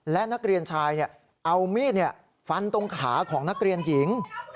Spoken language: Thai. และนักเรียนชายเอามีดฟันตรงขาของนักเรียนหญิง